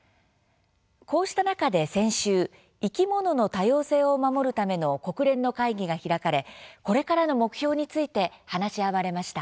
こうした中で先週生き物の多様性を守るための国連の会議が開かれこれからの目標について話し合われました。